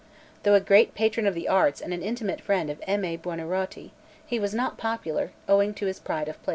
Though a great patron of the arts and an intimate friend of M. A. Buonarroti, he was not popular, owing to his pride of place.